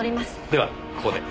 ではここで。